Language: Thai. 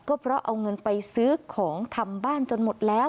ก็เพราะเอาเงินไปซื้อของทำบ้านจนหมดแล้ว